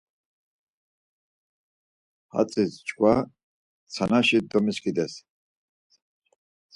Hatzi çkva tsanaşi domiskides.